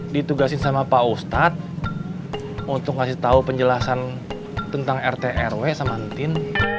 ditugasin sama pak ustadz untuk ngasih tahu penjelasan tentang rt rw sama nitin